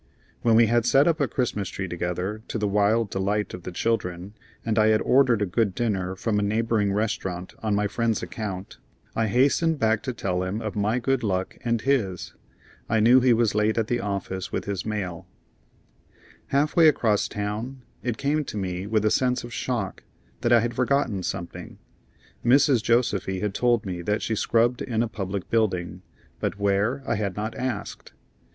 When we had set up a Christmas tree together, to the wild delight of the children, and I had ordered a good dinner from a neighboring restaurant on my friend's account, I hastened back to tell him of my good luck and his. I knew he was late at the office with his mail. [Illustration: "WHEN WE HAD SET UP A CHRISTMAS TREE TOGETHER, TO THE WILD DELIGHT OF THE CHILDREN."] Half way across town it came to me with a sense of shock that I had forgotten something. Mrs. Josefy had told me that she scrubbed in a public building, but where I had not asked.